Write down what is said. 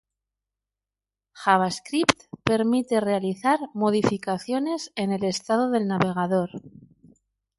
Javascript permite realizar modificaciones en el estado del navegador.